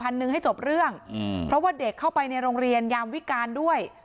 นึงให้จบเรื่องอืมเพราะว่าเด็กเข้าไปในโรงเรียนยามวิการด้วย